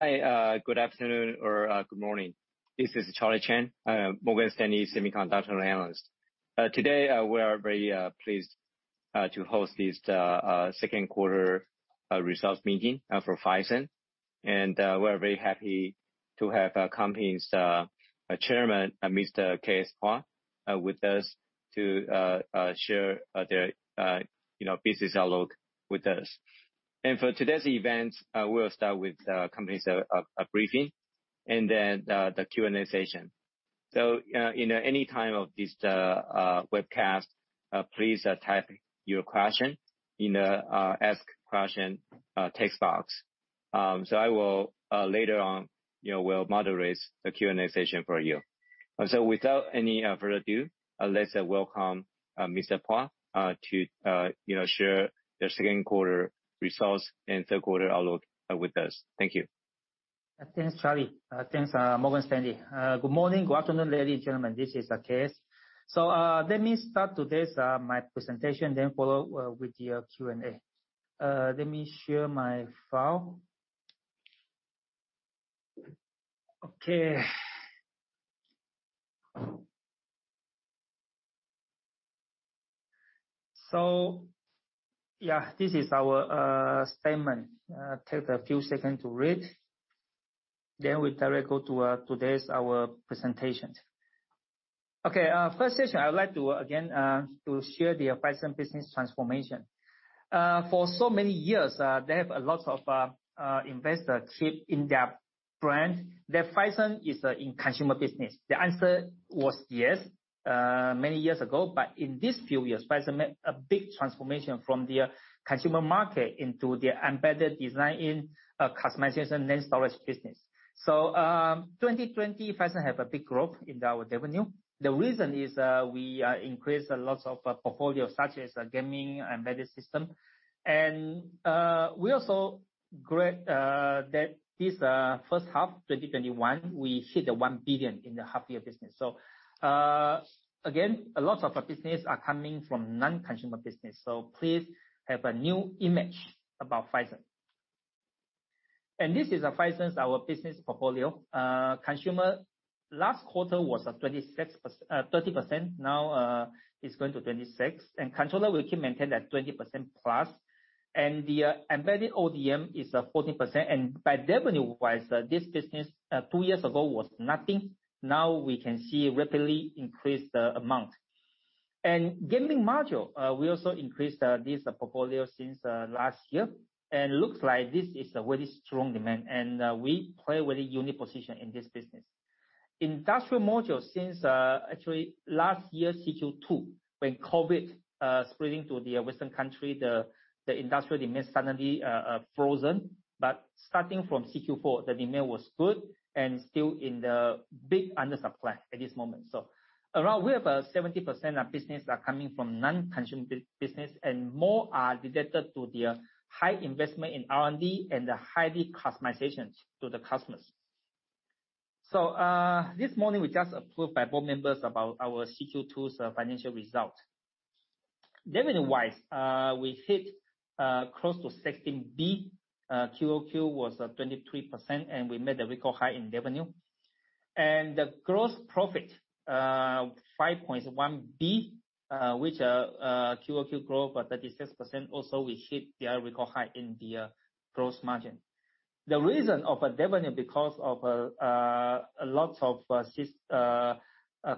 Good afternoon or good morning. This is Charlie Chan, I am Morgan Stanley’s semiconductor analyst. Today, we are very pleased to host this second quarter results meeting for Phison. We're very happy to have our company's chairman, Mr. K.S. Pua, with us to share their business outlook with us. For today's event, I will start with the company's briefing and then the Q&A session. In any time of this webcast, please type your question in the Ask Question text box. I will later on, will moderate the Q&A session for you. Without any further ado, let's welcome Mr. Pua to share the second quarter results and third quarter outlook with us. Thank you. Thanks, Charlie. Thanks, Morgan Stanley. Good morning, good afternoon, ladies and gentlemen. This is K.S.. Let me start today’s my presentation, then follow with the Q&A. Let me share my file. Okay. Yeah, this is our statement. Take a few seconds to read, then we directly go to today's presentation. First section, I would like to, again, to share the Phison business transformation. For so many years, they have a lot of investors keep in their brand. That Phison is in consumer business. The answer was yes, many years ago, but in these few years, Phison made a big transformation from their consumer market into their embedded design in customization and storage business. 2020, Phison have a big growth in our revenue. The reason is, we increased lots of portfolio such as gaming, embedded system. We also grabbed that this first half 2021, we hit $1 billion in the half-year business. Again, a lot of business are coming from non-consumer business, so please have a new image about Phison. This is Phison's, our business portfolio. Consumer, last quarter was 30%, now it's going to 26%. Controller, we can maintain that 20%+. The embedded ODM is 14%. By revenue-wise, this business two years ago was nothing, now we can see rapidly increased amount. Gaming module, we also increased this portfolio since last year, and looks like this is a very strong demand, and we play a very unique position in this business. Industrial module, since actually last year, Q2, when COVID spreading to the Western country, the industrial demand suddenly frozen. Starting from Q4, the demand was good and still in the big undersupply at this moment. Around we have a 70% of business are coming from non-consumer business, and more are related to the high investment in R&D and the highly customizations to the customers. This morning we just approved by board members about our Q2's financial result. Revenue-wise, we hit close to 16 billion. QoQ was 23%, and we made a record high in revenue. The gross profit, 5.1 billion, which QoQ growth of 36%. Also, we hit the record high in the gross margin. The reason of revenue, because of a lot of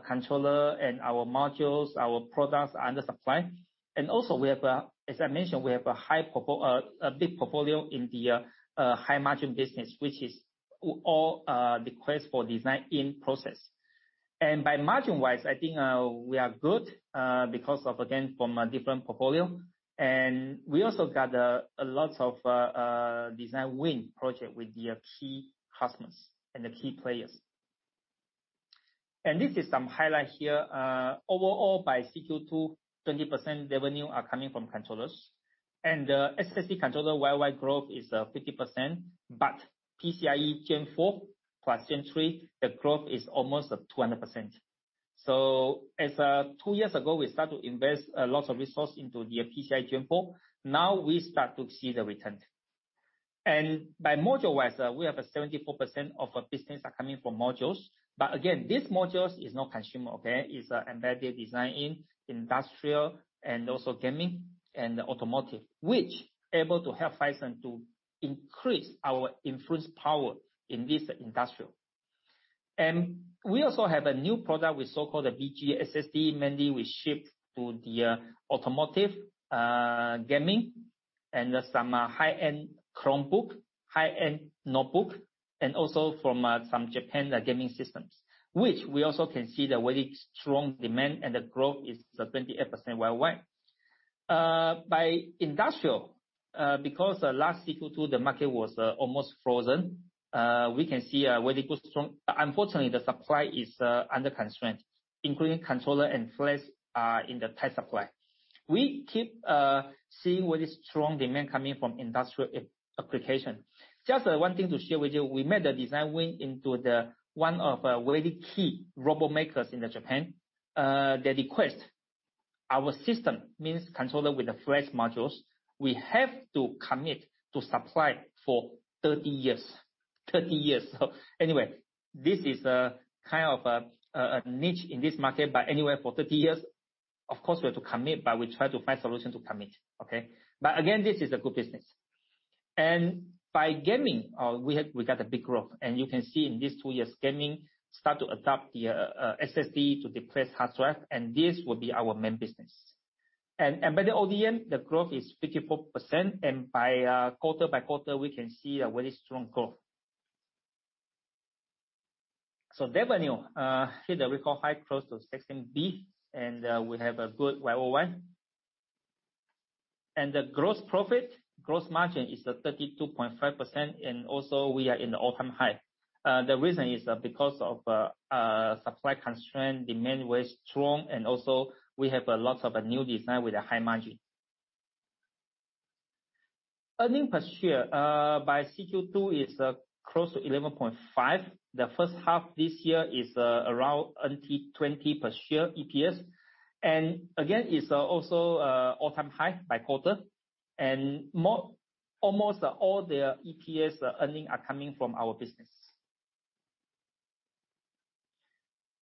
controller and our modules, our products under supply. Also, as I mentioned, we have a big portfolio in the high-margin business, which is all the quest for design-in process. By margin-wise, I think we are good, because of, again, from a different portfolio. We also got a lot of design win project with the key customers and the key players. This is some highlight here. Overall, by Q2, 20% revenue are coming from controllers. The SSD controller worldwide growth is 50%, but PCIe Gen4 plus Gen3, the growth is almost 200%. As two years ago, we start to invest a lot of resource into the PCIe Gen4, now we start to see the return. By module-wise, we have a 74% of business are coming from modules. Again, these modules is not consumer, okay? It's embedded design in industrial and also gaming and automotive, which able to help Phison to increase our influence power in this industrial. We also have a new product with so-called BGA SSD. Mainly, we ship to the automotive, gaming, and some high-end Chromebook, high-end notebook, and also from some Japan gaming systems. Which we also can see the very strong demand and the growth is 28% worldwide. By industrial, because last Q2 the market was almost frozen. Unfortunately, the supply is under constraint, including controller and flash are in the tight supply. We keep seeing very strong demand coming from industrial application. Just one thing to share with you. We made the design win into the one of very key robo makers in the Japan. Our system means controller with the flash modules. We have to commit to supply for 30 years. 30 years. Anyway, this is a kind of a niche in this market, but anyway, for 30 years, of course, we have to commit, but we try to find solution to commit. Okay. Again, this is a good business. By gaming, we got a big growth. You can see in this two years, gaming start to adopt the SSD to replace hardware, and this will be our main business. By the ODM, the growth is 54%, and quarter-by-quarter, we can see a very strong growth. Revenue, hit the record high close to TWD 16 billion, and we have a good YoY. The gross profit, gross margin is 32.5%, and also we are in the all-time high. The reason is because of supply constraint, demand was strong, and also we have a lot of new design with a high margin. Earnings per share by Q2 is close to 11.5. The first half this year is around 20 per share EPS. Again, it's also all-time high by quarter. Almost all the EPS earning are coming from our business.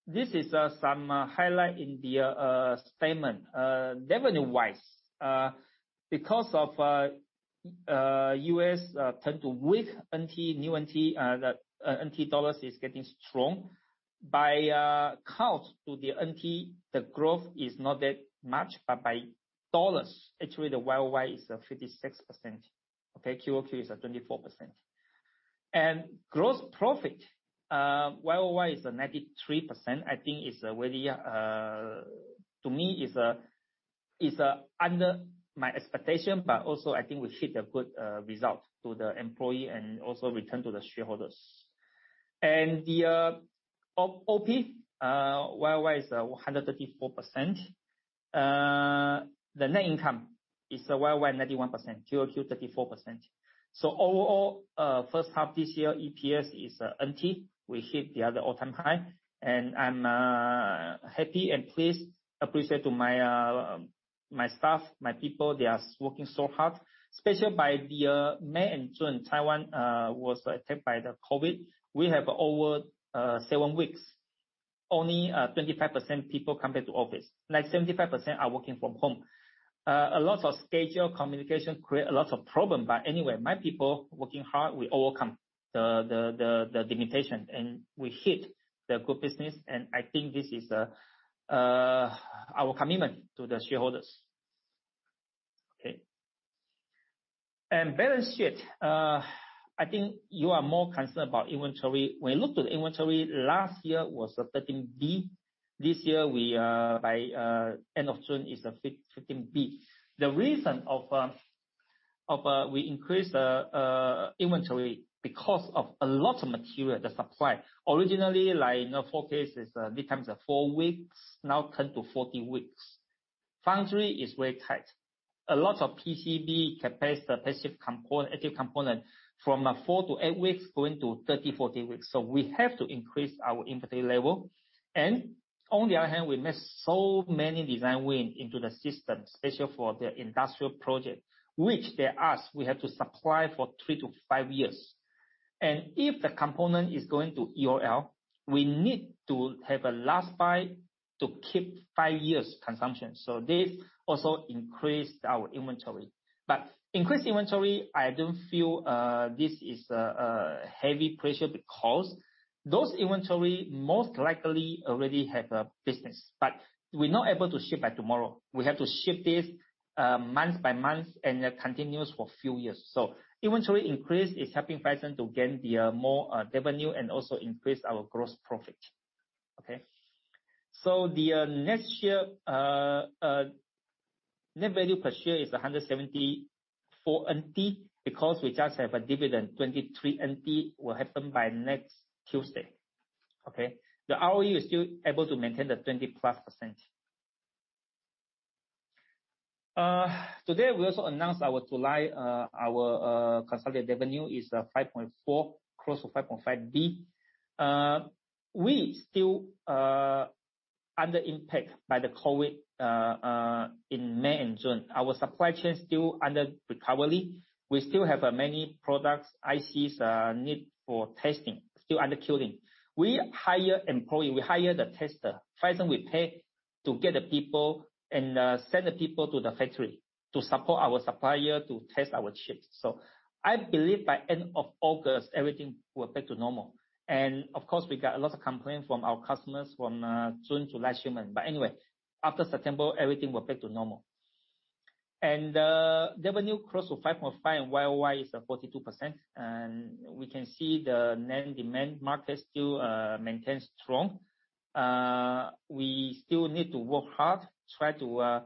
This is some highlight in the statement. Revenue-wise, because of U.S. tend to weak TWD, new TWD, the TWD dollar is getting strong. By count to the TWD, the growth is not that much, but by dollars, actually, the YoY is 56%. Okay. QoQ is at 24%. Gross profit YoY is 93%. I think, to me, is under my expectation, but also I think we hit a good result to the employee and also return to the shareholders. The OP, YoY is 134%. The net income is a YoY 91%, QoQ 34%. Overall, first half this year, EPS is TWD. We hit the other all-time high, and I'm happy and pleased, appreciate to my staff, my people, they are working so hard. Especially by the May and June, Taiwan was attacked by the COVID. We have over seven weeks, only 25% people come back to office. Like 75% are working from home. A lot of schedule communication create a lot of problem. Anyway, my people working hard, we overcome the limitation. We hit the good business, I think this is our commitment to the shareholders. Okay. Balance sheet. I think you are more concerned about inventory. When you look to the inventory, last year was TWD 13 billion. This year, by end of June is 15 billion. The reason we increased the inventory because of a lot of material, the supply. Originally, like four cases, lead times are four weeks, now 10-40 weeks. Foundry is very tight. A lot of PCB capacity, active component from four to eight weeks going to 30-40 weeks. We have to increase our inventory level. On the other hand, we missed so many design win into the system, especially for the industrial project, which they ask, we have to supply for three to five years. If the component is going to EOL, we need to have a last buy to keep five years consumption. This also increased our inventory. Increased inventory, I don't feel this is a heavy pressure because those inventory most likely already have a business. We're not able to ship by tomorrow. We have to ship this month by month and then continues for few years. Inventory increase is helping Phison to gain the more revenue and also increase our gross profit. Okay. The net value per share is 174 NT because we just have a dividend, 23 NT will happen by next Tuesday. Okay. The ROE is still able to maintain the 20%+. Today we also announced our July. Our consolidated revenue is 5.4 billion, close to 5.5 billion. We still under impact by the COVID in May and June. Our supply chain is still under recovery. We still have many products, ICs need for testing, still under queuing. We hire employee, we hire the tester. Phison will pay to get the people and send the people to the factory to support our supplier to test our chips. I believe by end of August, everything will be back to normal. Of course, we got a lot of complaint from our customers from June to last month. Anyway, after September, everything will be back to normal. Revenue close to 5.5 billion and YoY is 42%, we can see the net demand market still maintains strong. We still need to work hard, try to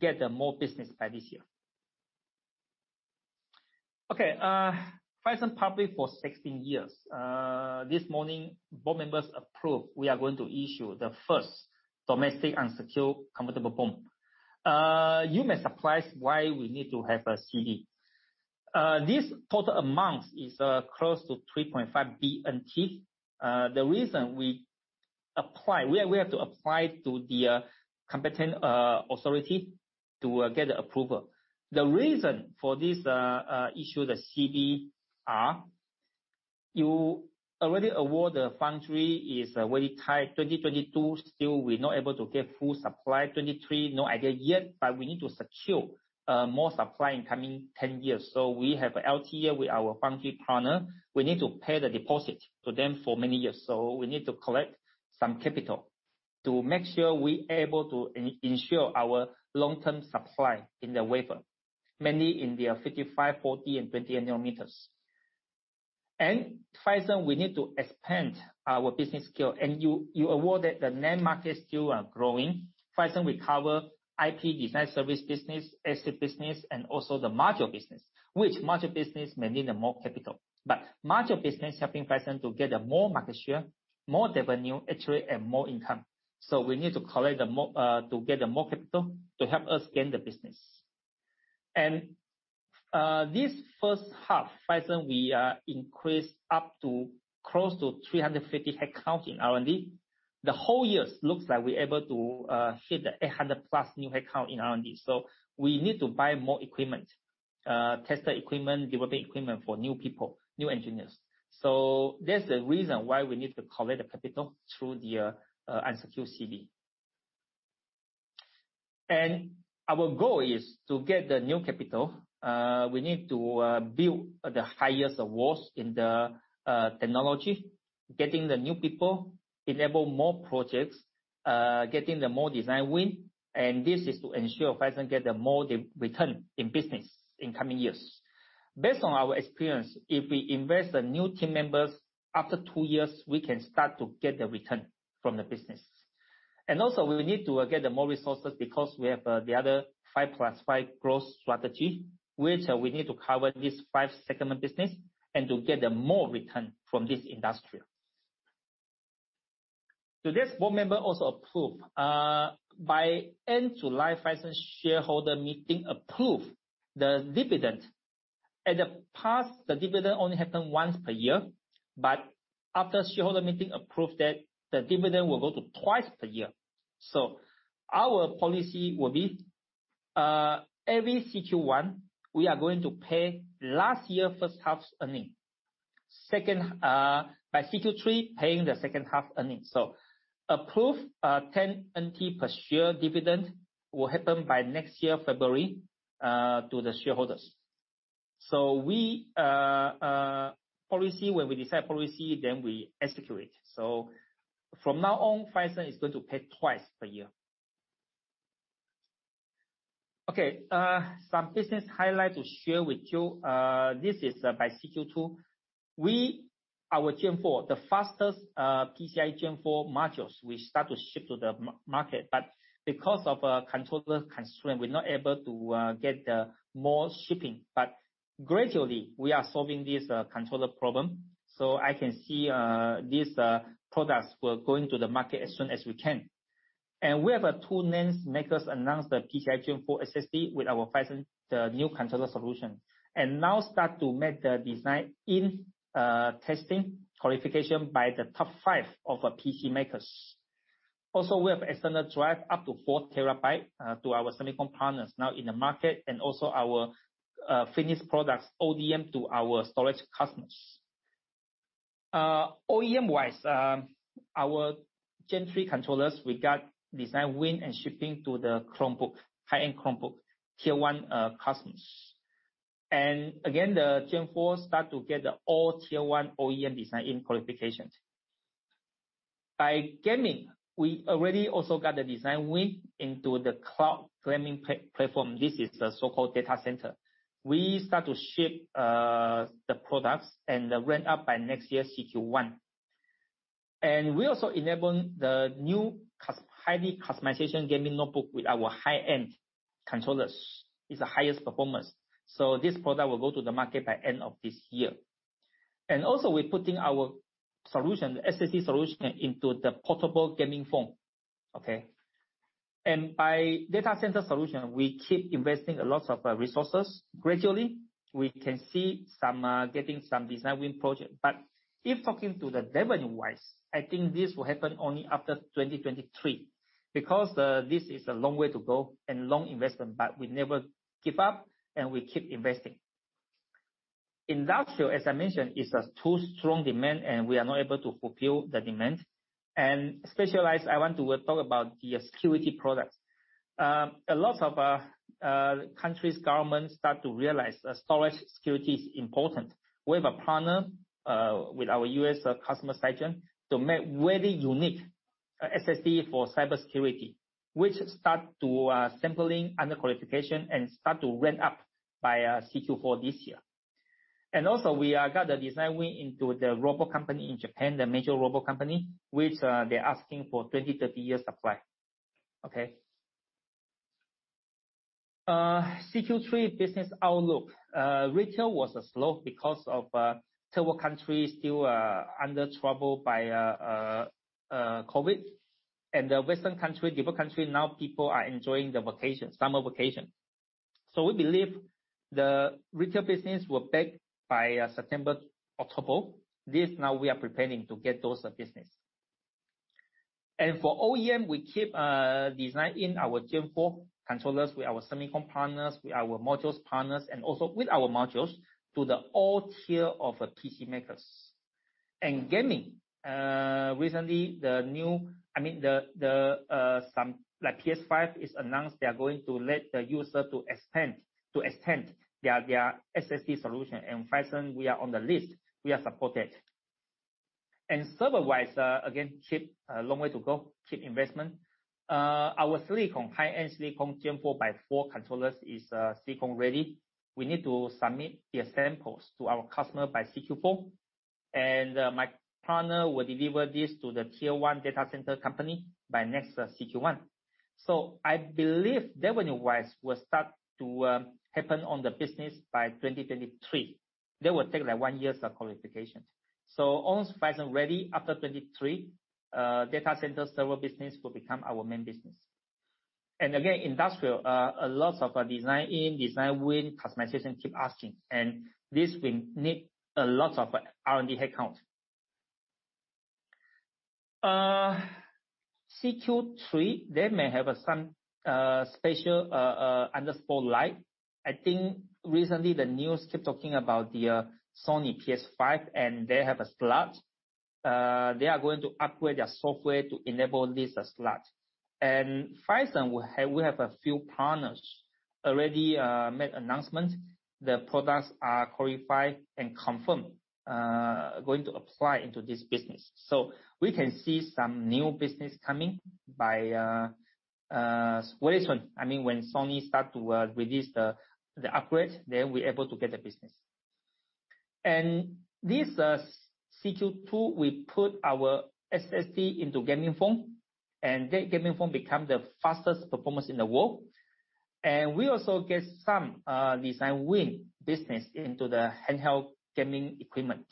get more business by this year. Okay. Phison public for 16 years. This morning, board members approved we are going to issue the first domestic unsecured convertible bond. You may surprise why we need to have a CB. This total amount is close to 3.5 billion. The reason we have to apply to the competent authority to get the approval. The reason for this issue, the CB, you already aware the foundry is very tight 2022. Still, we're not able to get full supply 2023, no idea yet, but we need to secure more supply in coming 10 years. We have LTA with our foundry partner. We need to pay the deposit to them for many years. We need to collect some capital to make sure we able to ensure our long-term supply in the wafer, mainly in the 55, 40 and 20 nm. Phison, we need to expand our business scale. You are aware that the NAND market still growing. Phison, we cover IP design, service business, SSD business, and also the module business. Which module business may need more capital. Module business helping Phison to get a more market share, more revenue actually, and more income. We need to get more capital to help us gain the business. This first half, Phison, we increase up to close to 350 headcount in R&D. The whole years looks like we're able to hit the 800+ new headcount in R&D. We need to buy more equipment, tester equipment, developing equipment for new people, new engineers. That's the reason why we need to collect the capital through the unsecured CB. Our goal is to get the new capital, we need to build the highest walls in the technology, getting the new people, enable more projects, getting the more design win. This is to ensure Phison get the more return in business in coming years. Based on our experience, if we invest the new team members, after two years, we can start to get the return from the business. Also we need to get the more resources because we have the other 5+5 Growth Strategy, which we need to cover this five segment business and to get the more return from this industry. To this, board member also approved. By end July, Phison shareholder meeting approved the dividend. In the past, the dividend only happened once per year, but after shareholder meeting approved that the dividend will go to 2x per year. Our policy will be, every Q1, we are going to pay last year first half's earning. By Q3, paying the second half earning. Approved, 10 NT per share dividend will happen by next year February, to the shareholders. When we decide policy, then we execute. From now on, Phison is going to pay 2x per year. Okay. Some business highlight to share with you. This is by Q2. Our Gen4, the fastest, PCIe Gen4 modules, we start to ship to the market, but because of a controller constraint, we are not able to get the more shipping. But gradually, we are solving this controller problem. So I can see these products will go into the market as soon as we can. We have two NAND makers announce the PCIe Gen4 SSD with our Phison, the new controller solution. Now start to make the design in testing qualification by the top five of PC makers. We have external drive up to 4 TB to our semiconductor partners now in the market, and also our finished products, ODM to our storage customers. OEM-wise, our Gen3 controllers, we got design win and shipping to the Chromebook, high-end Chromebook, tier one customers. Again, the Gen4 start to get all tier one OEM design in qualifications. By gaming, we already also got the design win into the cloud gaming platform. This is the so-called data center. We start to ship the products and ramp up by next year Q1. We also enable the new highly customization gaming notebook with our high-end controllers. This is the highest performance. This product will go to the market by end of this year. Also we're putting our SSD solution into the portable gaming phone. Okay? By data center solution, we keep investing a lots of resources. Gradually, we can see getting some design win project. If talking to the revenue-wise, I think this will happen only after 2023 because this is a long way to go and long investment, but we never give up and we keep investing. Industrial, as I mentioned, is a too strong demand, and we are not able to fulfill the demand. Specialized, I want to talk about the security products. A lot of countries' governments start to realize storage security is important. We have a partner with our U.S. customer, Cigent, to make very unique SSD for cybersecurity, which start to sampling under qualification and start to ramp up by Q4 this year. Also we got the design win into the robo company in Japan, the major robo company, which they're asking for 20, 30 years supply. Q3 business outlook. Retail was slow because of several countries still are under trouble by COVID. The Western country, developed country now people are enjoying the summer vacation. We believe the retail business will be back by September, October. This now we are preparing to get those business. For OEM, we keep design in our Gen4 controllers with our semicon partners, with our modules partners, and also with our modules to the all tier of the PC makers. In gaming, recently, the PS5 is announced they are going to let the user to extend their SSD solution. In Phison, we are on the list, we are supported. Server-wise, again, keep a long way to go, keep investment. Our high-end silicon Gen4x4 controllers is silicon-ready. We need to submit the samples to our customer by Q4. My partner will deliver this to the tier one data center company by next Q1. I believe revenue-wise will start to happen on the business by 2023. They will take one year for qualifications. Once Phison is ready after 2023, data center server business will become our main business. Again, industrial, a lot of design in, design win, customization keep asking. This will need a lot of R&D headcount. Q3, they may have some special underscore light. I think recently the news keep talking about the Sony PS5, and they have a slot. They are going to upgrade their software to enable this slot. Phison, we have a few partners already made announcement. The products are qualified and confirmed, are going to apply into this business. We can see some new business coming by very soon. When Sony starts to release the upgrade, then we're able to get the business. This Q2, we put our SSD into gaming phone, and that gaming phone become the fastest performance in the world. We also get some design win business into the handheld gaming equipment.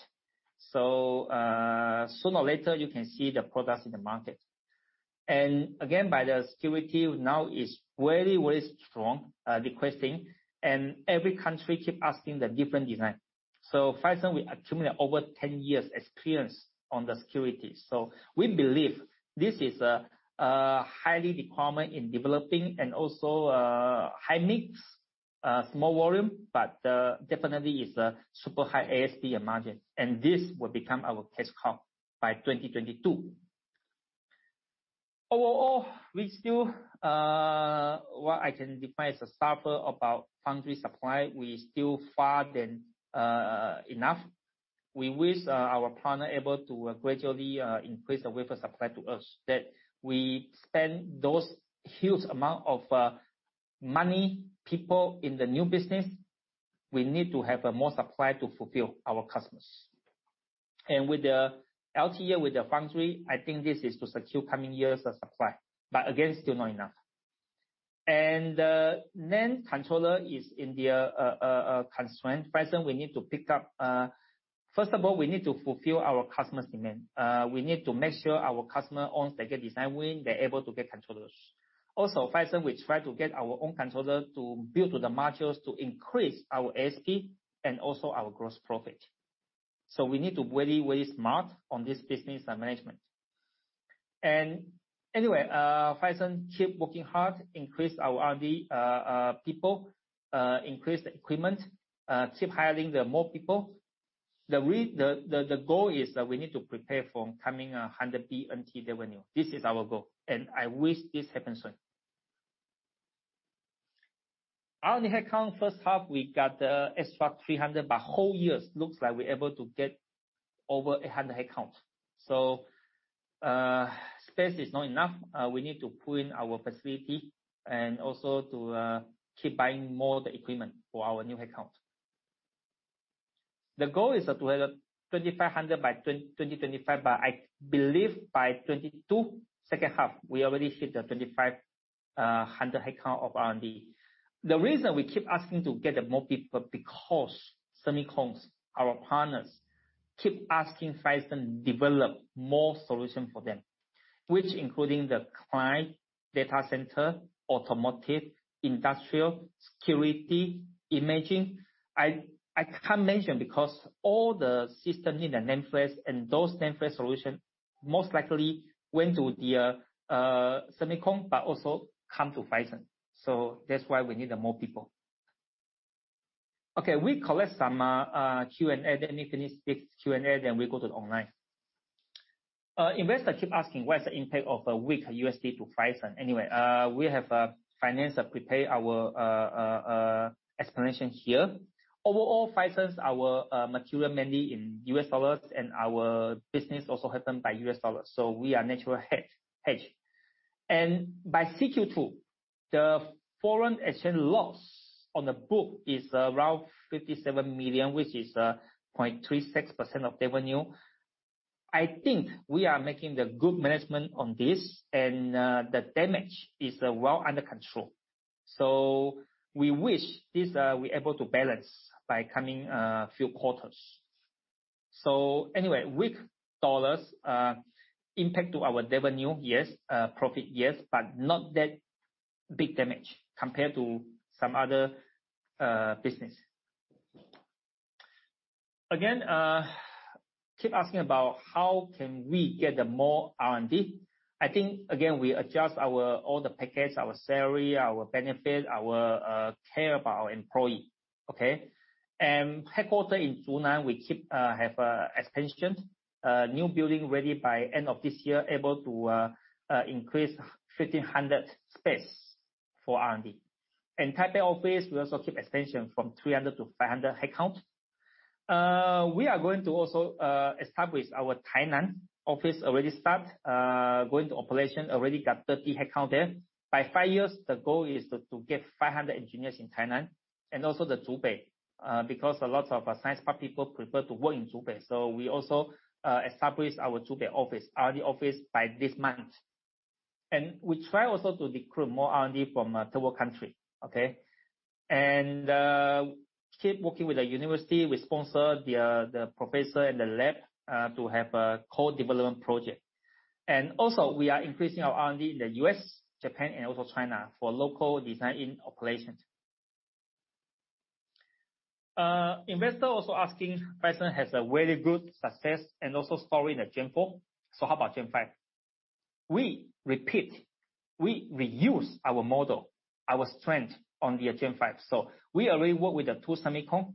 Sooner or later you can see the products in the market. Again, by the security now is very strong requesting, and every country keep asking the different design. Phison, we accumulate over 10 years experience on the security. We believe this is a highly requirement in developing and also high mix, small volume, but definitely is a super high ASP and margin, and this will become our cash cow by 2022. Overall, what I can define as a suffer about foundry supply, we still far than enough. We wish our partner able to gradually increase the wafer supply to us, that we spend those huge amount of money, people in the new business. We need to have more supply to fulfill our customers. With the LTA here with the foundry, I think this is to secure coming years of supply. Again, still not enough. The NAND controller is in the constraint. First of all, we need to fulfill our customer's demand. We need to make sure our customer, once they get design win, they're able to get controllers. Also, Phison will try to get our own controller to build to the modules to increase our ASP and also our gross profit. We need to be very smart on this business management. Anyway, Phison keep working hard, increase our R&D people, increase the equipment, keep hiring the more people. The goal is that we need to prepare for coming 100 billion revenue. This is our goal, and I wish this happens soon. R&D headcount, first half we got extra 300, but whole years looks like we're able to get over 100 headcount. Space is not enough. We need to pull in our facility and also to keep buying more of the equipment for our new headcount. The goal is to have 2,500 by 2025, but I believe by 2022 second half, we already hit the 2,500 headcount of R&D. The reason we keep asking to get more people, because semicon, our partners, keep asking Phison develop more solution for them, which including the client, data center, automotive, industrial, security, imaging. I can't mention because all the systems in the NAND flash and those NAND flash solution most likely went to the semicon but also come to Phison. That's why we need the more people. Okay. We collect some Q&A. We finish with Q&A, then we go to online. Investors keep asking what's the impact of a weak USD to Phison. Anyway, we have finance prepare our explanation here. Overall, Phison, our material mainly in U.S. dollars and our business also happen by U.S. dollars. We are natural hedge. By Q2, the foreign exchange loss on the book is around $57 million, which is 0.36% of revenue. I think we are making the good management on this, and the damage is well under control. We wish this we are able to balance by coming few quarters. Weak dollars impact to our revenue, yes. Profit, yes. Not that big damage compared to some other business. Again, keep asking about how can we get more R&D. I think, again, we adjust all the packages, our salary, our benefits, our care about our employee. Okay. Headquarter in Zhunan, we keep have expansion. New building ready by end of this year, able to increase 1,500 space for R&D. In Taipei office, we also keep expansion from 300 to 500 headcounts. We are going to also establish our Tainan office, already start going to operation, already got 30 headcount there. By five years, the goal is to get 500 engineers in Tainan and also the Taipei, because a lot of science park people prefer to work in Taipei. We also establish our Hsinchu office, R&D office, by this month. We try also to recruit more R&D from third-world country. Okay. Keep working with the university. We sponsor the professor and the lab to have a co-development project. Also we are increasing our R&D in the U.S., Japan, and also China for local design-in operations. Investor also asking, Phison has a very good success and also story in the Gen4. How about Gen5? We repeat, we reuse our model, our strength on the Gen5. We already work with the two semicon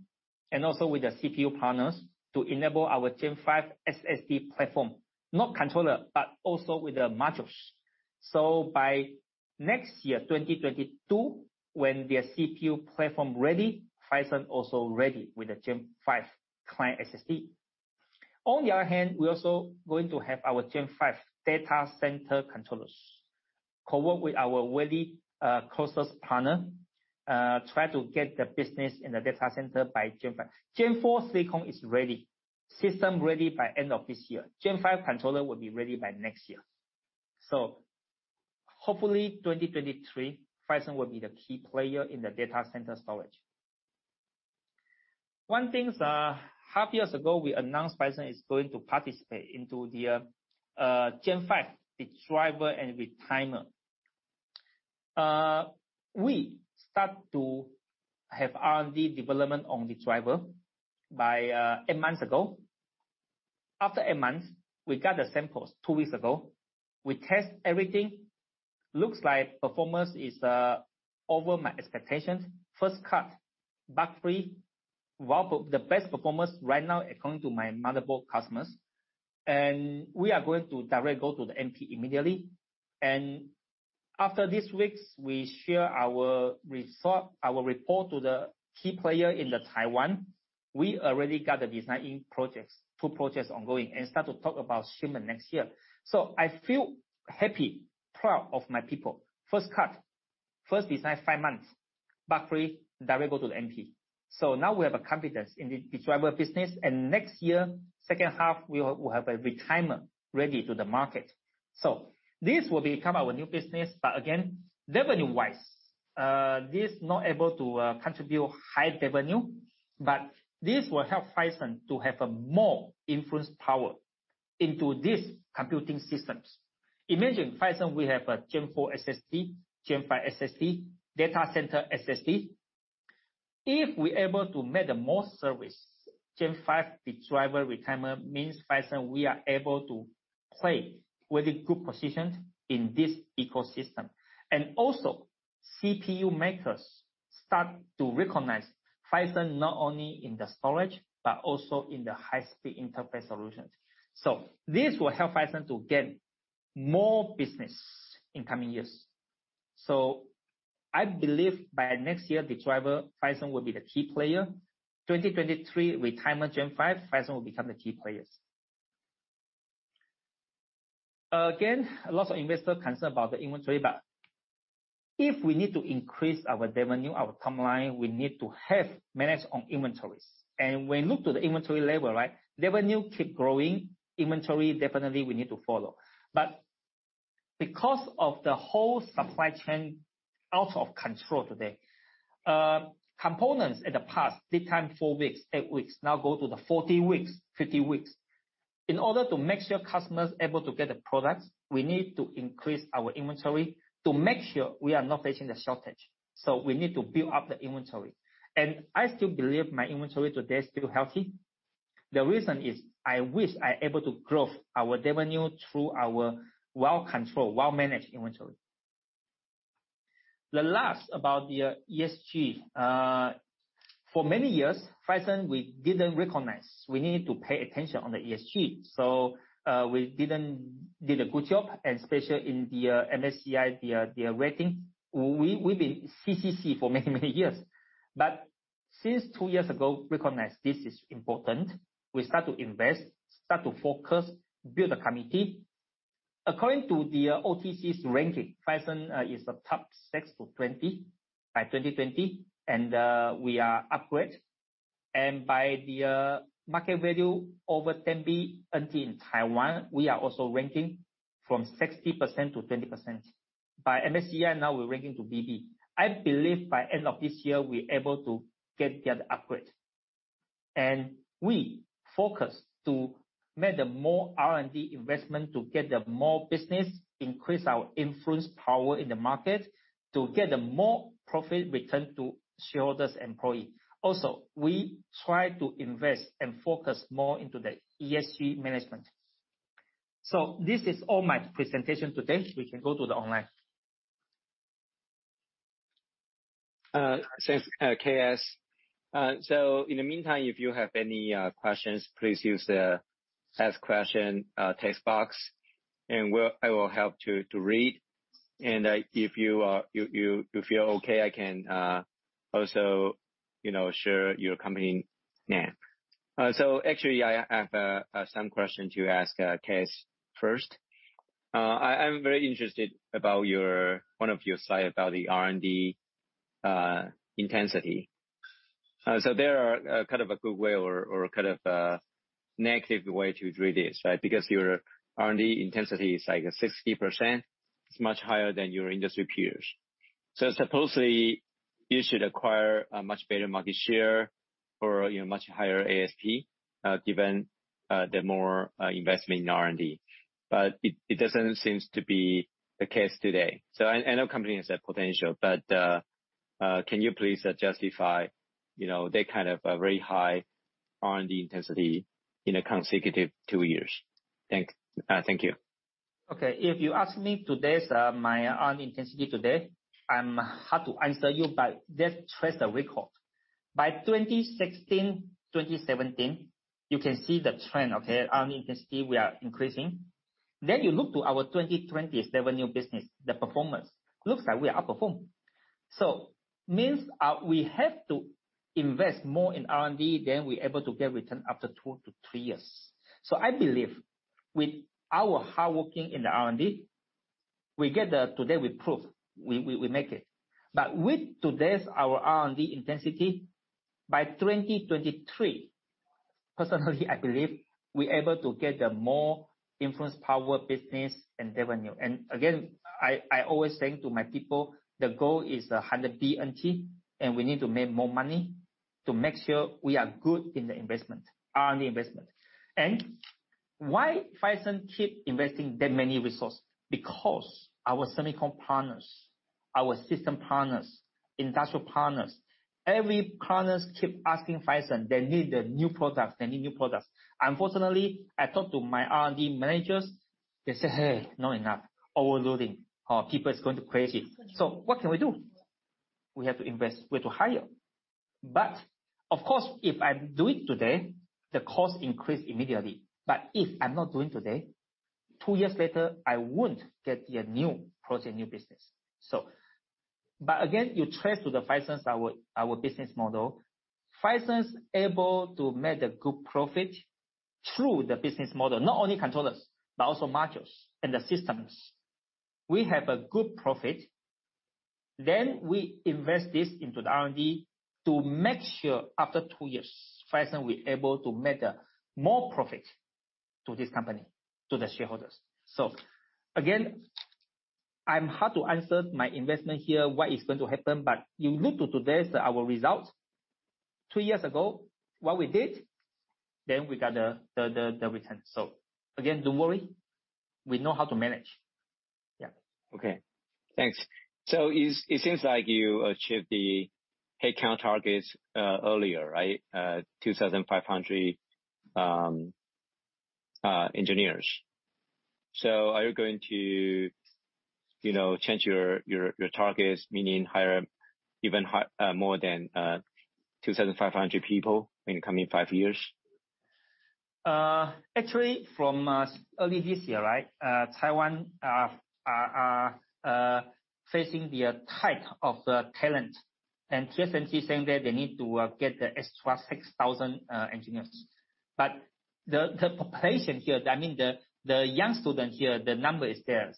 and also with the CPU partners to enable our Gen5 SSD platform, not controller, but also with the modules. By next year, 2022, when the CPU platform ready, Phison also ready with the Gen5 client SSD. On the other hand, we're also going to have our Gen5 data center controllers co-work with our very closest partner, try to get the business in the data center by Gen5. Gen4 silicon is ready, system ready by end of this year. Gen5 controller will be ready by next year. Hopefully 2023, Phison will be the key player in the data center storage. One thing, half years ago, we announced Phison is going to participate into the Gen5 Redriver and Retimer. We start to have R&D development on ReDriver by eight months ago. After eight months, we got the samples two weeks ago. We test everything. Looks like performance is over my expectations. First cut, bug free, one of the best performance right now according to my motherboard customers. We are going to directly go to the MP immediately. After this week, we share our report to the key player in Taiwan. We already got the designing projects, two projects ongoing, and start to talk about shipment next year. I feel happy, proud of my people. First cut, first design five months, bug free, directly to the MP. Now we have a confidence in the Redriver business, and next year, second half, we will have a Retimer ready to the market. This will become our new business. Again, revenue-wise, this is not able to contribute high revenue, but this will help Phison to have a more influence power into this computing systems. Imagine, Phison, we have a Gen4 SSD, Gen5 SSD, data center SSD. If we are able to make the most service, Gen5 redriver retimer means Phison, we are able to play very good position in this ecosystem. Also CPU makers start to recognize Phison not only in the storage but also in the high-speed interface solutions. This will help Phison to gain more business in coming years. I believe by next year, redriver, Phison will be the key player. 2023, Retimer Gen5, Phison will become the key players. Again, a lot of investors concerned about the inventory, if we need to increase our revenue, our top line, we need to have manage on inventories. When you look to the inventory level, right, revenue keep growing, inventory definitely we need to follow. Because of the whole supply chain out of control today, components in the past, lead time four weeks, eight weeks, now go to the 14 weeks, 15 weeks. In order to make sure customers able to get the products, we need to increase our inventory to make sure we are not facing the shortage. We need to build up the inventory. I still believe my inventory today is still healthy. The reason is, I wish I able to grow our revenue through our well controlled, well managed inventory. The last about the ESG. For many years, Phison, we didn't recognize we needed to pay attention on the ESG. We didn't do the good job, and especially in the MSCI, their rating. We've been CCC for many, many years. Since two years ago, recognize this is important, we start to invest, start to focus, build a committee. According to the OTC's ranking, Phison is the top 6-20 by 2020, and we are upgrade. By the market value over 10 billion in Taiwan, we are also ranking from 60%-20%. By MSCI now we're ranking to BB. I believe by end of this year, we're able to get the other upgrade. We focus to make the more R&D investment to get the more business, increase our influence, power in the market to get the more profit return to shareholders, employee. Also, we try to invest and focus more into the ESG management. This is all my presentation today. We can go to the online. Thanks, K. S.. In the meantime, if you have any questions, please use the ask question text box and I will help to read. If you feel okay, I can also share your company name. Actually, I have some questions to ask K. S. first. I'm very interested about one of your slide about the R&D intensity. There are kind of a good way or kind of a negative way to read this, right? Because your R&D intensity is like 60%. It's much higher than your industry peers. Supposedly you should acquire a much better market share or much higher ASP, given the more investment in R&D. It doesn't seems to be the case today. I know company has that potential, but can you please justify that kind of very high R&D intensity in a consecutive two years? Thank you. If you ask me today, my R&D intensity today, I'm hard to answer you by this tracer record. By 2016, 2017, you can see the trend. R&D intensity we are increasing. You look to our 2027 new business, the performance. Looks like we are out-performed. Means we have to invest more in R&D, we're able to get return after two to three years. I believe with our hard work in the R&D, we get the today we prove we make it. With today's our R&D intensity, by 2023, personally, I believe we're able to get the more influence, power, business and revenue. Again, I always say to my people, the goal is 100 billion, and we need to make more money to make sure we are good in the investment, R&D investment. Why Phison keeps investing that many resources? Our silicon partners, our system partners, industrial partners, every partners keep asking Phison, they need the new products. Unfortunately, I talk to my R&D managers, they say, "Hey, not enough. Overloading. Our people is going to crazy." What can we do? We have to invest. We have to hire. Of course, if I do it today, the cost increase immediately. If I'm not doing today, two years later, I won't get the new project, new business. Again, you trace to the Phison's our business model. Phison's able to make a good profit through the business model, not only controllers, but also modules and the systems. We have a good profit, we invest this into the R&D to make sure after two years, Phison will be able to make more profit to this company, to the shareholders. Again, I'm hard to answer my investment here, what is going to happen. You look to today's our results. Two years ago, what we did, then we got the return. Again, don't worry, we know how to manage. Yeah. Okay. Thanks. It seems like you achieved the headcount targets earlier, right? 2,500 engineers. Are you going to change your targets, meaning even more than 2,500 people in the coming five years? Actually, from early this year, Taiwan are facing the type of the talent and TSMC saying that they need to get the extra 6,000 engineers. The population here, the young student here, the number is there.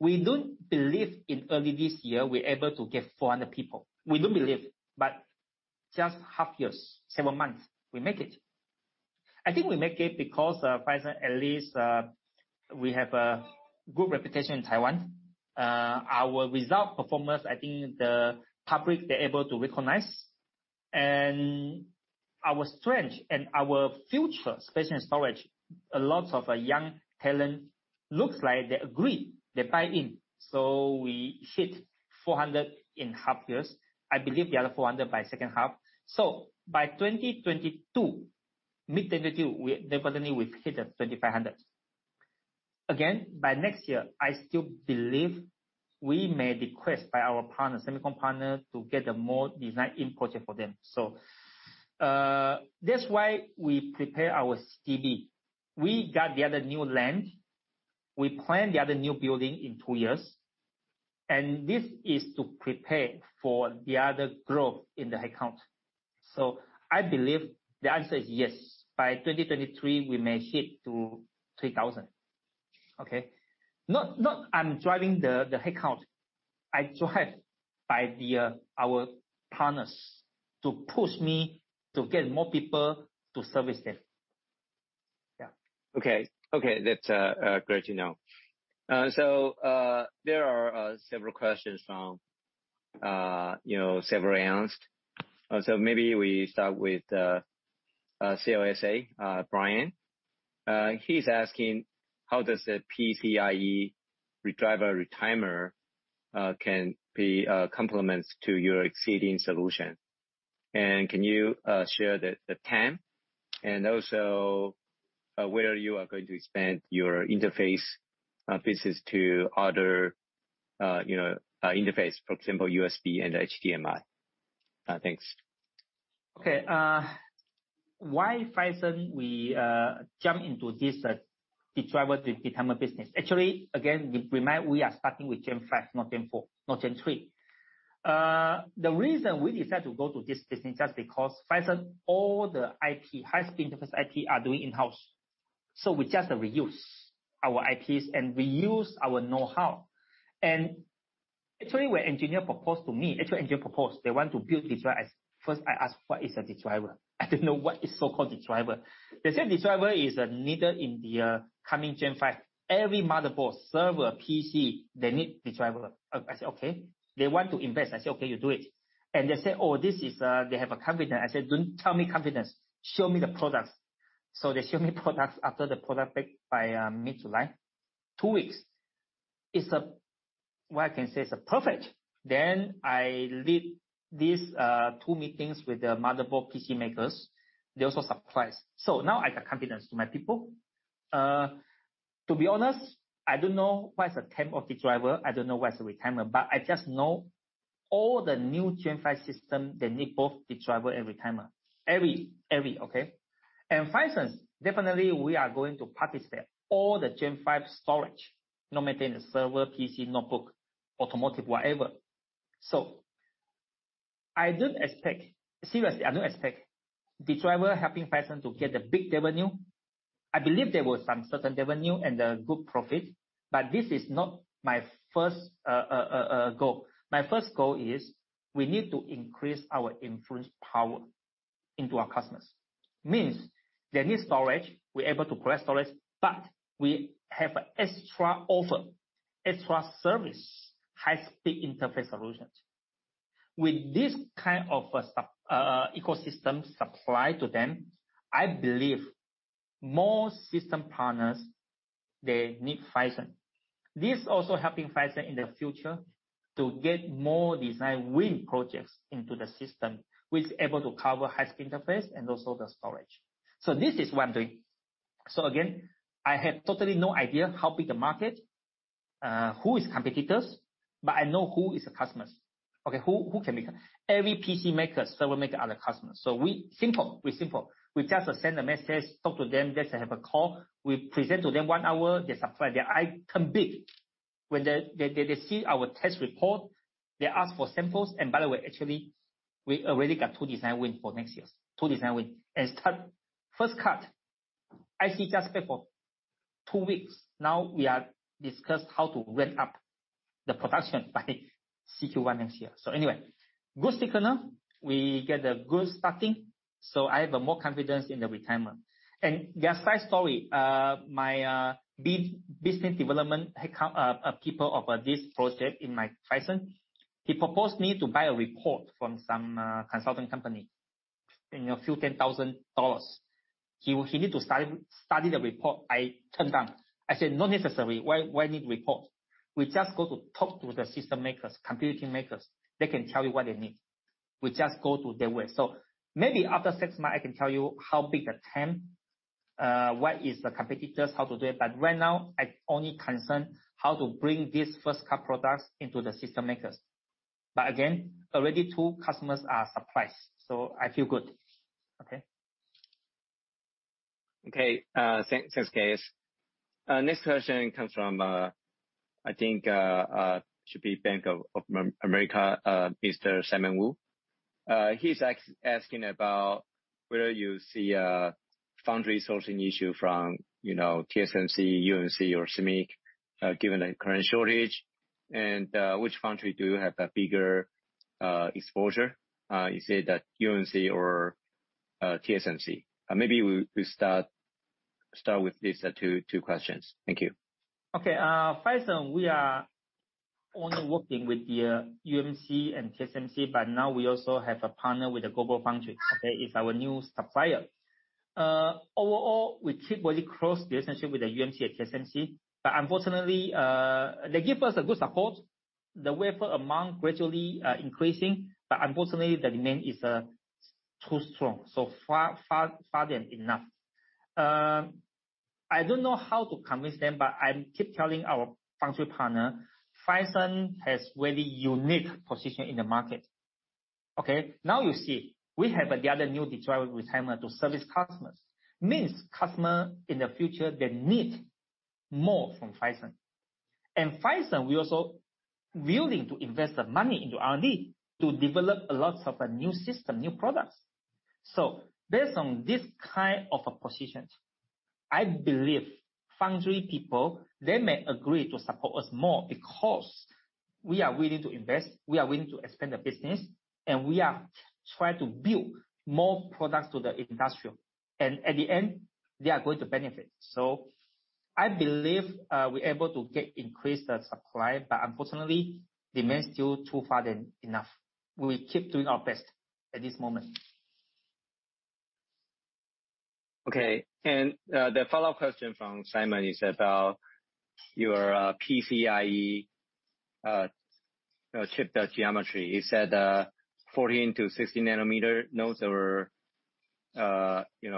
We don't believe in early this year, we're able to get 400 people. We don't believe, but just half years, seven months, we make it. I think we make it because Phison at least we have a good reputation in Taiwan. Our result performance, I think the public, they're able to recognize. Our strength and our future space and storage, a lot of young talent looks like they agree, they buy in. We hit 400 in half years. I believe the other 400 by second half. By 2022, mid-2022, definitely we've hit the 2,500. Again, by next year, I still believe we may request by our partners, silicon partner to get the more design input for them. That's why we prepare our CB. We got the other new land. We plan the other new building in two years, and this is to prepare for the other growth in the headcount. I believe the answer is yes. By 2023, we may hit to 3,000. Okay? Not I'm driving the headcount. I drive by our partners to push me to get more people to service them. Okay. That's great to know. There are several questions from several analysts. Maybe we start with CLSA, Brian. He's asking, how does the PCIe redriver retimer complement your exceeding solution? Can you share the TAM? Where you are going to expand your interface business to other interface, for example, USB and HDMI. Thanks. Why Phison, we jump into this redriver retimer business. Actually, again, we are starting with Gen5, not Gen4, not Gen3. The reason we decided to go to this business, just because Phison, all the IP, high-speed interface IP are doing in-house. We just reuse our IPs and reuse our know-how. Actually, when engineer proposed to me, they want to build redriver. First, I asked, "What is a redriver?" I didn't know what is so-called redriver. They said redriver is a needed in the coming Gen5. Every motherboard, server, PC, they need redriver. I said, okay. They want to invest. I said, "Okay, you do it." They say, "They have a confidence." I said, "Don't tell me confidence. Show me the products." They show me products after the product by mid-July. Two weeks. Well, I can say it's perfect. I lead these two meetings with the motherboard PC makers. They also surprised. Now I got confidence to my people. To be honest, I don't know what is the TAM of redriver. I don't know what is retimer, I just know all the new Gen5 system, they need both redriver and retimer. Every. Okay? Phison, definitely we are going to participate all the Gen5 storage, no matter in the server, PC, notebook, automotive, whatever. I don't expect, seriously, I don't expect redriver helping Phison to get the big revenue. I believe there was some certain revenue and a good profit, this is not my first goal. My first goal is we need to increase our influence power into our customers. They need storage, we're able to provide storage, but we have extra offer, extra service, high-speed interface solutions. With this kind of ecosystem supply to them, I believe more system partners, they need Phison. This is also helping Phison in the future to get more design win projects into the system, which is able to cover high-speed interface and also the storage. This is what I'm doing. Again, I have totally no idea how big the market, who is competitors, but I know who is the customers. Okay, who can become. Every PC maker, server maker are the customers. We simple. We just send a message, talk to them, just have a call. We present to them one hour, they're surprised. Their eye turn big. When they see our test report, they ask for samples. By the way, actually, we already got two design win for next year. Two design win. Start, first cut, I see just before two weeks now, we are discussed how to ramp up the production by CQ1 next year. Anyway, good signal. We get a good starting, so I have more confidence in the retimer. Just side story, my business development head count, people of this project in my Phison, he proposed me to buy a report from some consulting company in a few $10,000. He need to study the report. I turn down. I said, "Not necessary. Why need report? We just go to talk to the system makers, computing makers. They can tell you what they need." We just go to their way. Maybe after six months, I can tell you how big a TAM, what is the competitors, how to do it, but right now, I only concern how to bring this first cut products into the system makers. Again, already two customers are surprised, so I feel good. Okay. Okay. Thanks, K. S.. Next question comes from, I think, should be Bank of America, Mr. Simon Woo. He's asking about where you see foundry sourcing issue from TSMC, UMC, or SMIC, given the current shortage. Which foundry do you have a bigger exposure, you say that UMC or TSMC? Maybe we start with these two questions. Thank you. Okay. Phison, we are only working with the UMC and TSMC. Now we also have a partner with GlobalFoundries. Okay. Is our new supplier. Overall, we keep very close relationship with the UMC and TSMC. They give us a good support. The wafer amount gradually increasing. Unfortunately, the demand is too strong. Far less than enough. I don't know how to convince them. I keep telling our foundry partner, Phison has very unique position in the market. Okay. Now you see, we have the other new redriver retimer to service customers. Means customer in the future, they need more from Phison. Phison, we also willing to invest the money into R&D to develop a lot of new system, new products. Based on this kind of a position, I believe Foundry people, they may agree to support us more because we are willing to invest, we are willing to expand the business, and we are trying to build more products to the industry. At the end, they are going to benefit. I believe we are able to get increased supply, but unfortunately, demand is still too far than enough. We will keep doing our best at this moment. Okay. The follow-up question from Simon is about your PCIe chip geometry. You said 14-16 nm nodes that were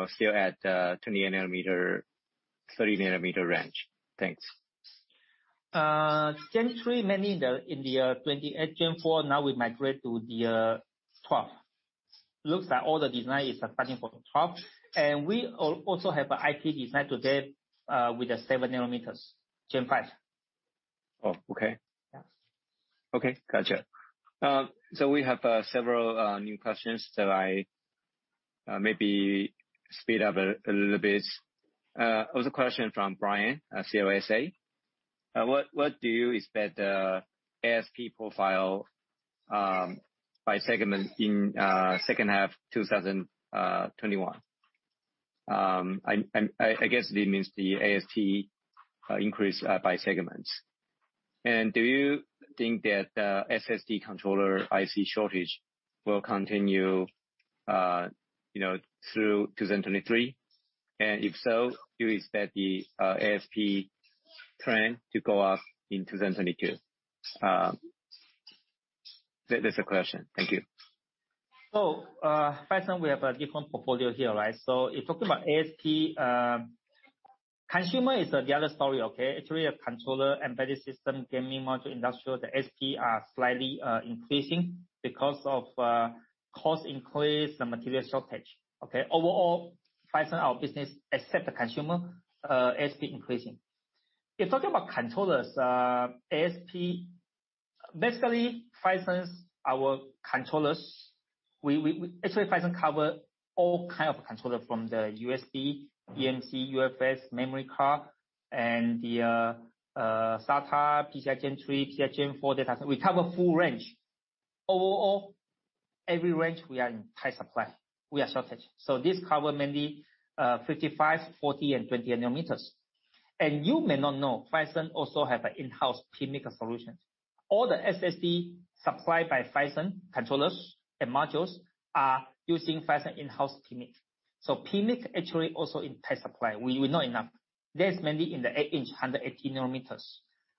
still at 28-30 nm range. Thanks. Gen3 mainly in the 28 nm Gen4, now we migrate to the 12 nm. Looks like all the design is starting from 12 nm. We also have IP design today, with the 7 nm, Gen5. Oh, okay. Yeah. Okay, got you. We have several new questions that I maybe speed up a little bit. There's a question from Brian at CLSA. What do you expect the ASP profile by segment in second half 2021? I guess it means the ASP increase by segments. Do you think that the SSD controller IC shortage will continue through 2023? If so, do you expect the ASP trend to go up in 2022? That's the question. Thank you. Phison, we have a different portfolio here. So you're talking about ASP. Consumer is the other story, okay? Actually, a controller embedded system, gaming module, industrial, the ASP are slightly increasing because of cost increase and material shortage. Overall, Phison, our business except the consumer, ASP increasing. You're talking about controllers, ASP, basically, Phison, our controllers, actually Phison cover all kind of controller from the USB, eMMC, UFS, memory card, and the SATA, PCIe Gen3, PCIe Gen4, we cover full range. Overall, every range we are in tight supply. We are shortage. This cover mainly, 55, 40, and 20 nm. You may not know, Phison also have in-house PMIC solutions. All the SSD supplied by Phison controllers and modules are using Phison in-house PMIC. PMIC actually also in tight supply. We're not enough. There's mainly in the 8 in, 118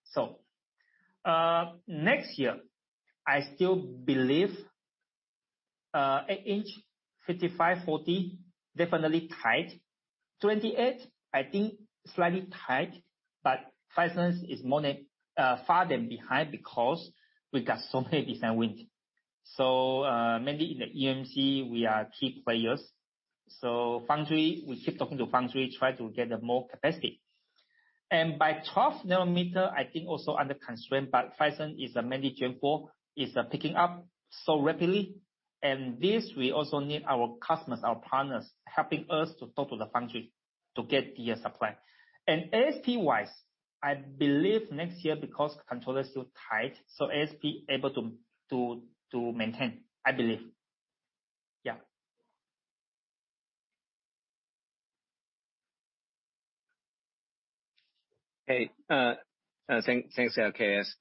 nm. Next year, I still believe 8 in, 55/40, definitely tight. 28 nm, I think slightly tight. Phison is more far than behind because we got so many design wins. Mainly in the eMMC, we are key players. Foundry, we keep talking to foundry, try to get more capacity. By 12 nm, I think also under constraint. Phison is mainly Gen4, is picking up so rapidly. This, we also need our customers, our partners, helping us to talk to the foundry to get the supply. ASP-wise, I believe next year because controllers are still tight, so ASP able to maintain. I believe. Yeah. Hey, thanks K. S..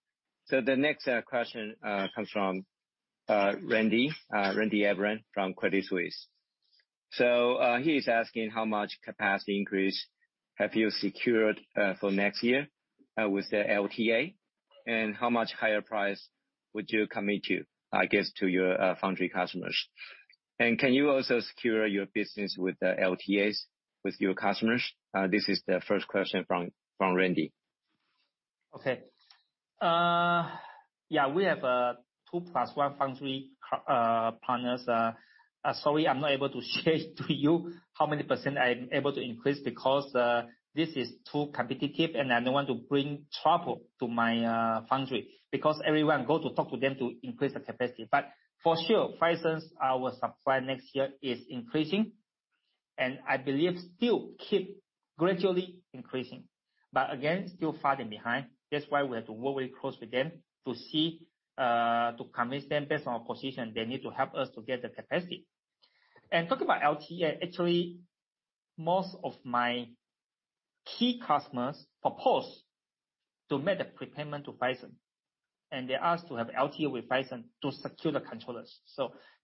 The next question comes from Randy Abrams from Credit Suisse. He is asking how much capacity increase have you secured for next year, with the LTA? How much higher price would you commit to, I guess, to your foundry customers? Can you also secure your business with the LTAs with your customers? This is the first question from Randy. Okay. Yeah, we have two plus one foundry partners. Sorry, I'm not able to share it to you how many percent I'm able to increase, this is too competitive, and I don't want to bring trouble to my foundry. Everyone go to talk to them to increase the capacity. For sure, Phison, our supply next year is increasing. I believe still keep gradually increasing. Again, still far behind. That's why we have to work very close with them to convince them based on our position, they need to help us to get the capacity. Talking about LTA, actually, most of my key customers proposed to make the prepayment to Phison, and they asked to have LTA with Phison to secure the controllers.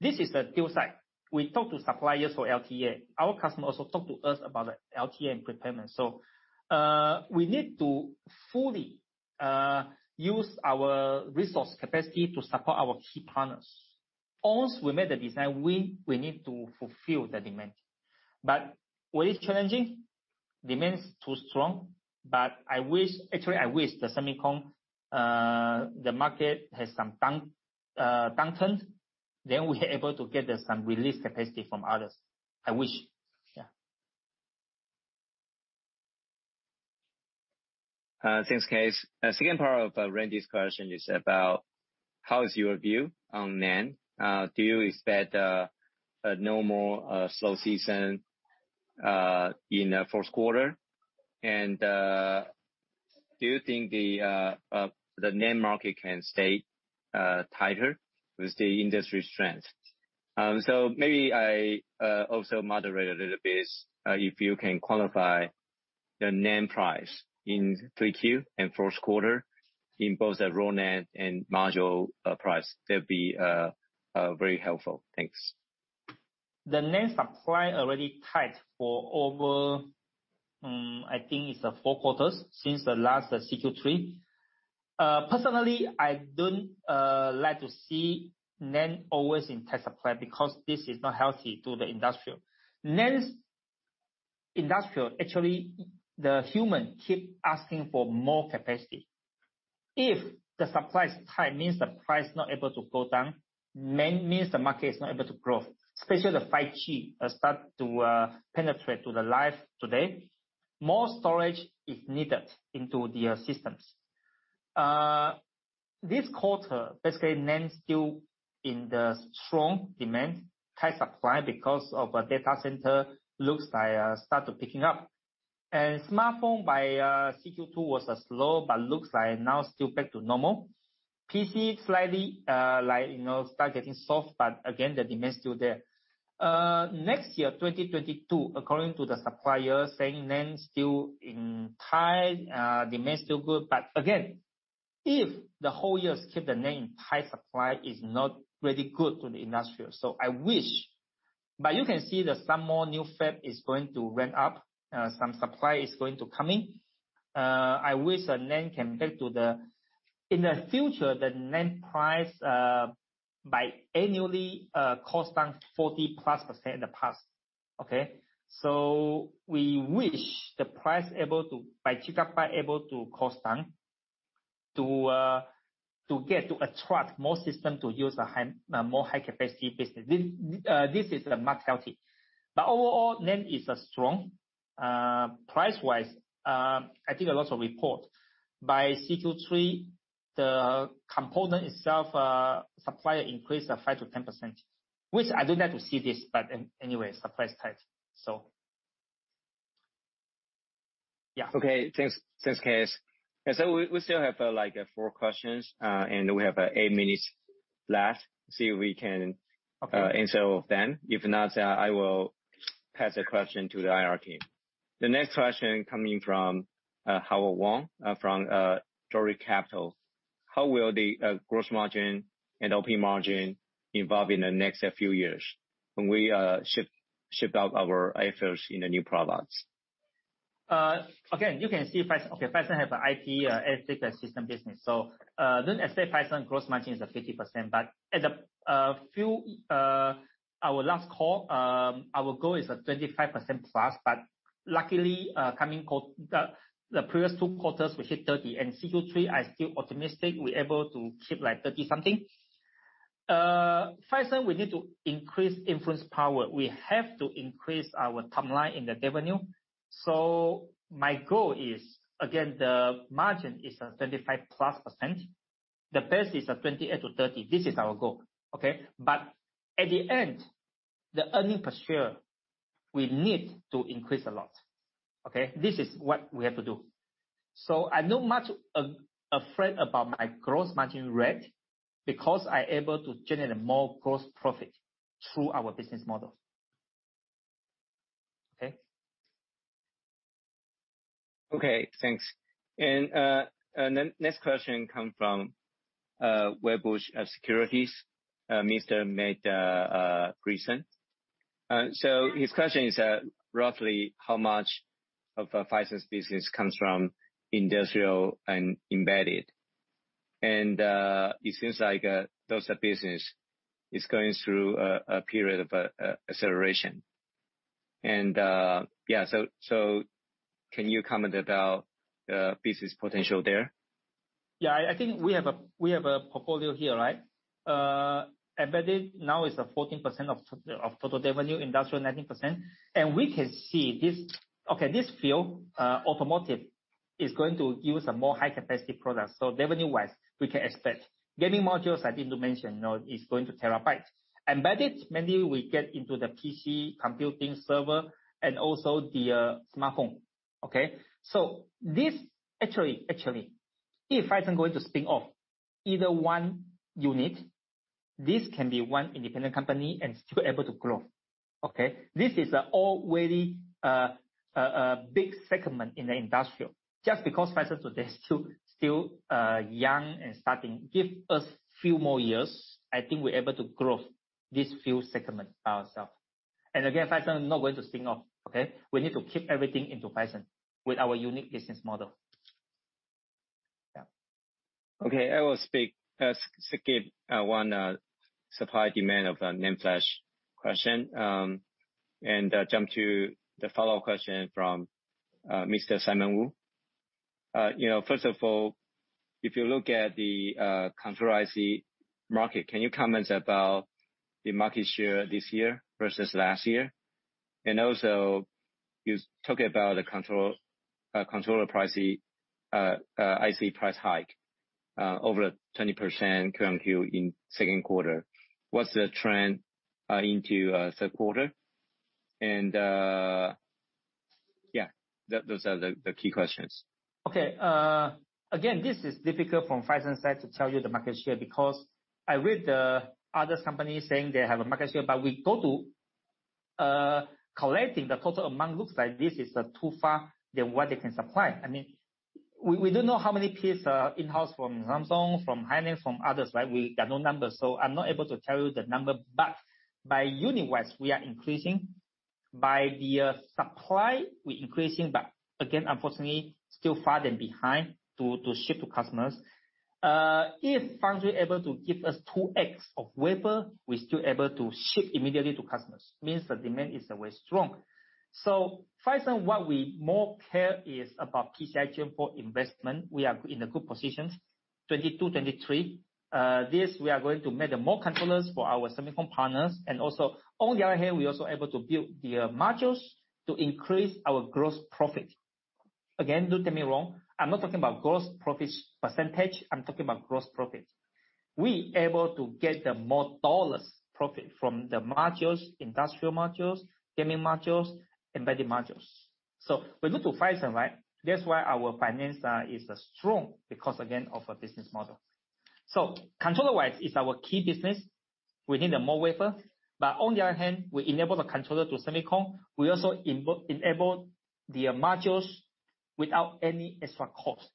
This is a two side. We talk to suppliers for LTA. Our customer also talks to us about the LTA and prepayment. We need to fully use our resource capacity to support our key partners. Once we make the design win, we need to fulfill the demand. What is challenging? Demand is too strong. Actually, I wish the semicon market has some downturn. We are able to get some released capacity from others. I wish. Yeah. Thanks, K. S.. Second part of Randy's question is about how is your view on NAND? Do you expect a normal slow season in the fourth quarter? Do you think the NAND market can stay tighter with the industry strength? Maybe I also moderate a little bit, if you can qualify the NAND price in 3Q and the first quarter in both the raw NAND and module price. That'd be very helpful. Thanks. The NAND supply already tight for over, I think it's four quarters since the last Q3. Personally, I don't like to see NAND always in tight supply because this is not healthy to the industry. NAND industry, actually, the human keep asking for more capacity. If the supply is tight means the price is not able to go down, means the market is not able to grow, especially the 5G start to penetrate to the life today. More storage is needed into their systems. This quarter, basically, NAND still in the strong demand, tight supply because of data center looks like start to picking up. Smartphone by Q2 was slow but looks like now still back to normal. PC slightly start getting soft, again, the demand still there. Next year, 2022, according to the supplier saying NAND still in tight, demand still good. Again, if the whole year keep the NAND tight supply is not really good to the industry. I wish you can see that some more new fab is going to ramp up. Some supply is going to come in. In the future, the NAND price by annually cost down 40%+ in the past. Okay. We wish the price able to, by gigabyte, cost down to attract more system to use a more high-capacity business. This is much healthy. Overall, NAND is strong. Price-wise, I think a lot of report. By Q3, the component itself, supply increase 5%-10%, which I do not see this. Anyway, supply is tight. Yeah. Okay. Thanks, K. S.. We still have four questions, and we have eight minutes left. See if we can answer all of them. If not, I will pass the question to the IR team. The next question coming from Howard Wong from Glory Capital. How will the gross margin and OP margin evolve in the next few years when we ship out our efforts in the new products? You can see Phison. Phison has IP, data system business. Don't say Phison gross margin is 50%, at our last call, our goal is 25%+, luckily, the previous two quarters, we hit 30%. In Q3, I am still optimistic we are able to keep 30% something. Phison, we need to increase influence power. We have to increase our timeline in the revenue. My goal is, again, the margin is a 25%+. The best is 28%-30%. This is our goal. At the end, the earnings per share, we need to increase a lot. This is what we have to do. I am not much afraid about my gross margin rate because I am able to generate more gross profit through our business model. Okay, thanks. Next question come from Wedbush Securities, Mr. Matt Bryson. His question is, roughly how much of Phison's business comes from industrial and embedded? It seems like those are business is going through a period of acceleration. Can you comment about the business potential there? I think we have a portfolio here, right? Embedded now is 14% of total revenue, industrial 19%. We can see this field, automotive, is going to use more high-capacity products. Revenue-wise, we can expect. Gaming modules, I didn't mention, is going to terabyte. Embedded, mainly we get into the PC, computing, server, and also the smartphone. This, actually, if Phison going to spin off either one unit, this can be one independent company and still able to grow. This is already a big segment in the industrial. Just because Phison today is still young and starting, give us few more years. I think we're able to grow this few segments by ourselves. Again, Phison not going to spin off. We need to keep everything into Phison with our unique business model. Okay. I will skip one supply-demand of the NAND flash question, and jump to the follow-up question from Mr. Simon Woo. First of all, if you look at the control IC market, can you comment about the market share this year versus last year? Also, you talked about the controller IC price hike over 20% QoQ in second quarter. What's the trend into third quarter? Those are the key questions. Okay. Again, this is difficult from Phison's side to tell you the market share, because I read the other company saying they have a market share, but we go to collecting the total amount, looks like this is too far than what they can supply. We do know how many pieces are in-house from Samsung, from Hynix, from others, right? We got no numbers, I'm not able to tell you the number. By unit wise, we are increasing. By the supply, we're increasing, but again, unfortunately, still far and behind to ship to customers. If foundry able to give us 2x of wafer, we still able to ship immediately to customers, means the demand is very strong. Phison, what we more care is about PCIe Gen4 for investment. We are in a good position, 2022, 2023. This, we are going to make the more controllers for our semiconductor partners. On the other hand, we're also able to build the modules to increase our gross profit. Again, don't get me wrong, I'm not talking about gross profits percentage, I'm talking about gross profit. We able to get the more dollars profit from the modules, industrial modules, gaming modules, embedded modules. When you look to Phison, right? That's why our finance is strong, because, again, of our business model. Controller-wise is our key business. We need the more wafer. On the other hand, we enable the controller to semicon. We also enable the modules without any extra cost.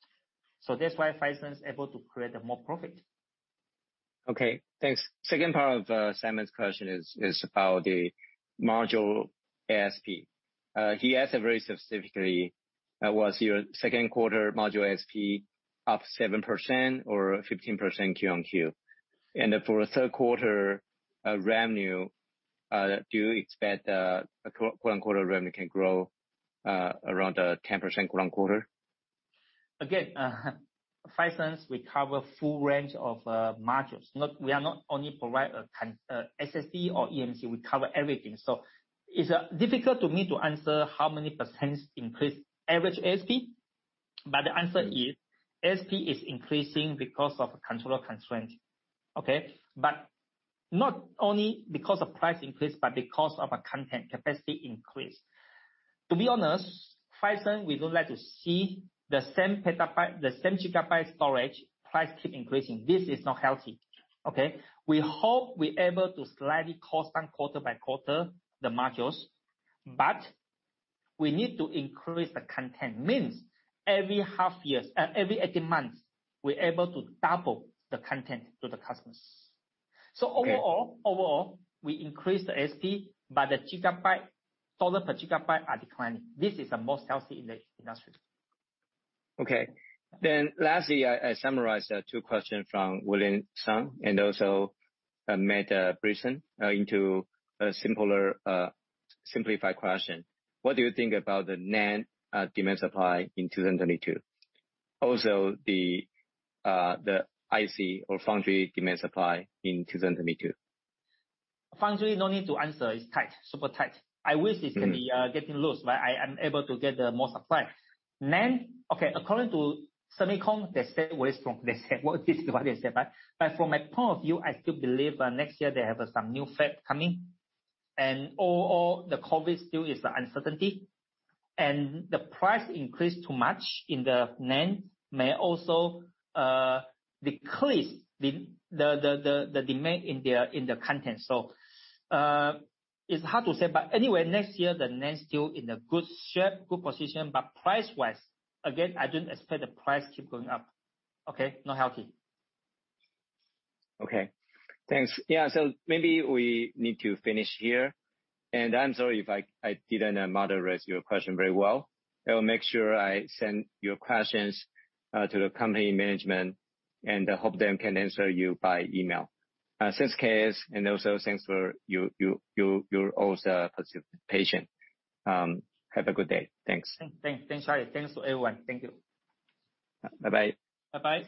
That's why Phison is able to create more profit. Okay, thanks. Second part of Simon's question is about the module ASP. He asked very specifically, was your second quarter module ASP up 7% or 15% QoQ? For third quarter revenue, do you expect quarter-over-quarter revenue can grow around 10% quarter-on-quarter? Phison, we cover full range of modules. We are not only provide SSD or eMMC, we cover everything. It's difficult to me to answer how many percent increase average ASP. The answer is, ASP is increasing because of controller constraint. Okay. Not only because of price increase, but because of a content capacity increase. To be honest, Phison, we don't like to see the same gigabyte storage price keep increasing. This is not healthy. Okay. We hope we able to slightly constant quarter-by-quarter the modules, but we need to increase the content. Means every 18 months, we're able to double the content to the customers. Okay. Overall, we increase the ASP, but the dollar per gigabyte are declining. This is the most healthy in the industry. Okay. Lastly, I summarize the two questions from William Sung and Matt Bryson into a simplified question. What do you think about the NAND demand supply in 2022? The IC or foundry demand supply in 2022. Foundry, no need to answer. It's tight, super tight. I wish it can be getting loose, but I am able to get more supply. NAND, okay, according to Semicon, they said very strong. This is what they said. From my point of view, I still believe next year they have some new fab coming. Overall, the COVID still is the uncertainty, and the price increase too much in the NAND may also decrease the demand in the content. It's hard to say. Anyway, next year, the NAND still in a good shape, good position, but price-wise, again, I don't expect the price keep going up. Okay? Not healthy. Okay. Thanks. Yeah, maybe we need to finish here. I'm sorry if I didn't moderate your question very well. I will make sure I send your questions to the company management, and I hope they can answer you by email. Thanks, K. S., and also, thanks for your all the participation. Have a good day. Thanks. Thanks, Charlie. Thanks to everyone. Thank you. Bye-bye. Bye-bye.